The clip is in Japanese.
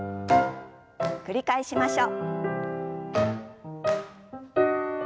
繰り返しましょう。